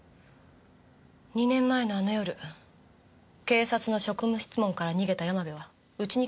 ２年前のあの夜警察の職務質問から逃げた山部はうちに来たのよ。